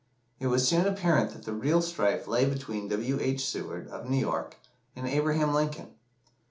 It was soon apparent that the real strife lay between W. H. Seward, of New York, and Abraham Lincoln.